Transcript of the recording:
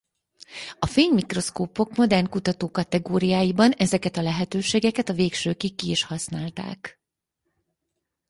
A fénymikroszkópok modern kutató kategóriáiban ezeket a lehetőségeket a végsőkig ki is használták.